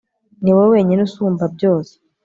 ni wowe wenyine usumba-a byose